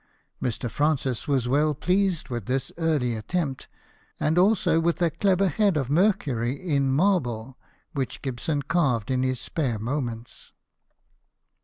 Mr. Francis was well pleased with this early attempt, and also with a clever head of Mercury in marble, which Gibson carved in his spare moments.